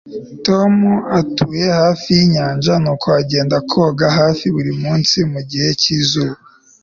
tom atuye hafi yinyanja, nuko agenda koga hafi buri munsi mugihe cyizuba